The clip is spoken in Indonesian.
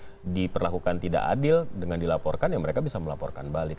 kalau diperlakukan tidak adil dengan dilaporkan ya mereka bisa melaporkan balik